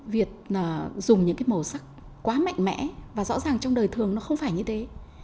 việt dùng những cái màu sắc quá mạnh mẽ và rõ ràng trong đời thường nó không phải như thế